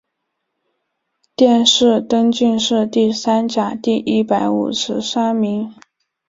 殿试登进士第三甲第一百五十三名。